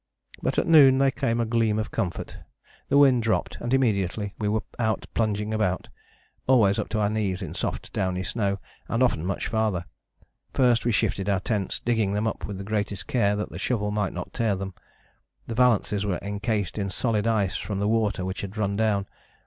But at noon there came a gleam of comfort. The wind dropped, and immediately we were out plunging about, always up to our knees in soft downy snow, and often much farther. First we shifted our tents, digging them up with the greatest care that the shovel might not tear them. The valances were encased in solid ice from the water which had run down.